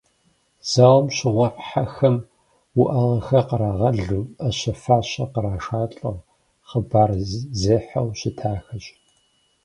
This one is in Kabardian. Зауэм щыгъуэ хьэхэм уӏэгъэхэр кърагъэлу, ӏэщэ-фащэ кърашалӏэу, хъыбар зехьэу щытахэщ.